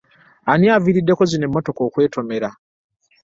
Ani avirideko zino emmotoka okwetomera?